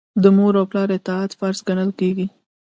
د مور او پلار اطاعت فرض ګڼل کیږي.